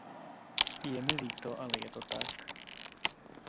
Je mi líto, ale je to tak.